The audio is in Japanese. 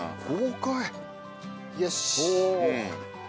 よし。